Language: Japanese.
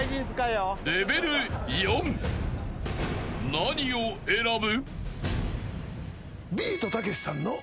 ［何を選ぶ？］